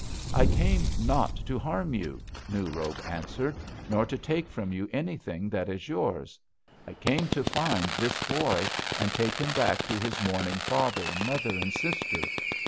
"'I came not to harm you,' New Robe answered, 'nor to take from you anything that is yours. I came to find this boy, and take him back to his mourning father and mother and sister.